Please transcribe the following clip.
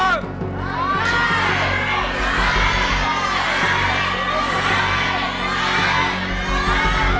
ร้องได้ให้ร้าน